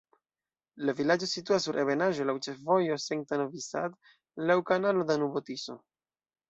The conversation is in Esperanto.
La vilaĝo situas sur ebenaĵo, laŭ ĉefvojo Senta-Novi Sad, laŭ kanalo Danubo-Tiso.